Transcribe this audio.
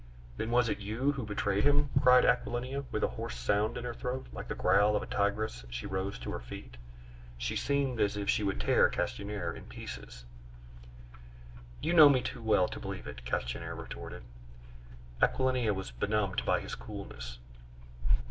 "Then was it you who betrayed him?" cried Aquilina, and with a hoarse sound in her throat like the growl of a tigress she rose to her feet; she seemed as if she would tear Castanier in pieces. "You know me too well to believe it," Castanier retorted. Aquilina was benumbed by his coolness.